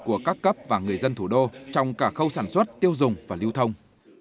của các cấp và người dân thủ đô trong cả khâu sản xuất tiêu dùng và lưu thông